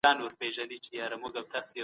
زموږ د ژبي په وسيله بايد څوک توهين نه سي.